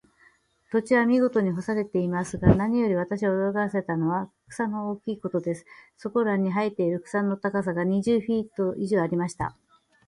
土地は見事に耕されていますが、何より私を驚かしたのは、草の大きいことです。そこらに生えている草の高さが、二十フィート以上ありました。